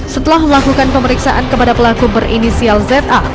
setelah melakukan pemeriksaan kepada pelaku berinisial za